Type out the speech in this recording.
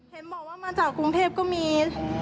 เห็นบอกว่ามาจากกรุงเทพก็มี